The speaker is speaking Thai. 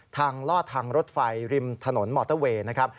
ลอดทางรถไฟริมถนนมอเตอร์เวย์นะครับ